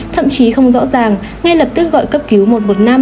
thậm chí không rõ ràng ngay lập tức gọi cấp cứu một trăm một mươi năm